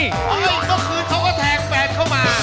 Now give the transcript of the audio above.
เมื่อเมื่อกล้างคืนเขาก็แทงแฟนเข้ามา